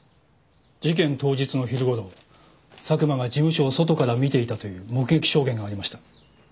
事件当日の昼頃佐久間が事務所を外から見ていたという目撃証言がありました。